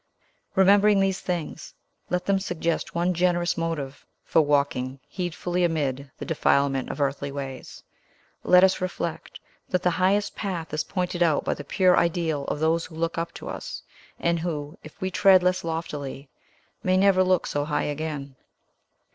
Remembering these things, let them suggest one generous motive for walking heedfully amid the defilement of earthly ways! Let us reflect, that the highest path is pointed out by the pure Ideal of those who look up to us, and who, if we tread less loftily, may never look so high again.